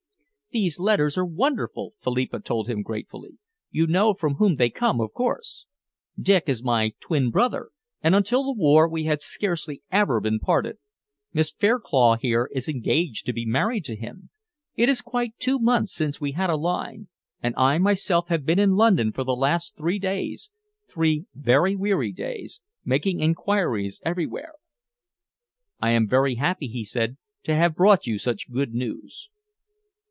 "These letters are wonderful," Philippa told him gratefully. "You know from whom they come, of course. Dick is my twin brother, and until the war we had scarcely ever been parted. Miss Fairclough here is engaged to be married to him. It is quite two months since we had a line, and I myself have been in London for the last three days, three very weary days, making enquiries everywhere." "I am very happy," he said, "to have brought you such good news."